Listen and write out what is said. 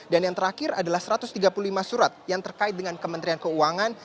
dan yang terakhir adalah satu ratus tiga puluh lima surat yang terkait dengan kementerian keuangan